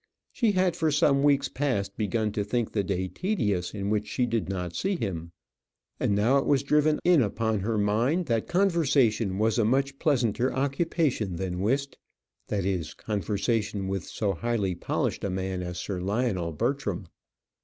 She had for some weeks past begun to think the day tedious in which she did not see him; and now it was driven in upon her mind that conversation was a much pleasanter occupation than whist; that is, conversation with so highly polished a man as Sir Lionel Bertram.